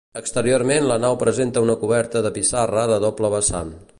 Exteriorment la nau presenta una coberta de pissarra de doble vessant.